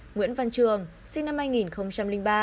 nguyễn văn trường sinh năm hai nghìn ba